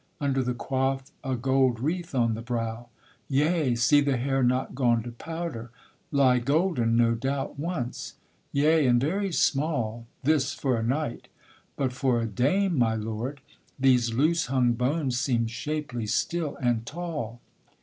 Under the coif a gold wreath on the brow, Yea, see the hair not gone to powder, lie, Golden, no doubt, once: yea, and very small, This for a knight; but for a dame, my lord, These loose hung bones seem shapely still, and tall.